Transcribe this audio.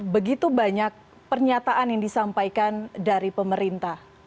begitu banyak pernyataan yang disampaikan dari pemerintah